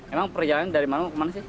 emang perjalanan dari mana ke mana sih